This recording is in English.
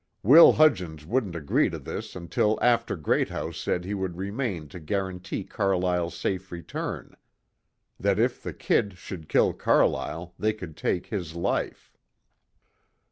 Will Hudgens wouldn't agree to this until after Greathouse said he would remain to guarantee Carlyle's safe return. That if the "Kid" should kill Carlyle, they could take his life.